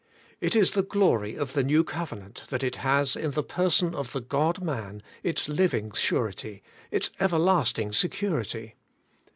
It is the glory of the New Covenant that it has in the person of the God man its living surety, its everlasting security.